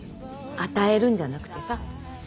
与えるんじゃなくてさ。